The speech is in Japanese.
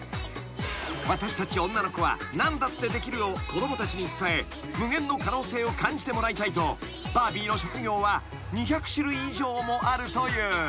［私たち女の子は何だってできるを子供たちに伝え無限の可能性を感じてもらいたいとバービーの職業は２００種類以上もあるという］